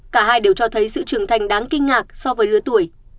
cả hai đều cho thấy sự trưởng thành đáng kinh ngạc so với lứa tuổi